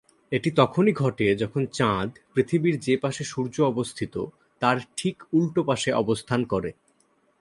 এটি তখনই ঘটে যখন চাঁদ, পৃথিবীর যে পাশে সূর্য অবস্থিত তার ঠিক উল্টো পাশে অবস্থান করে।